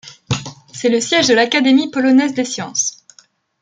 C'est le siège de l'Académie polonaise des sciences.